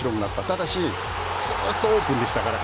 ただし、ずっとオープンでしたから。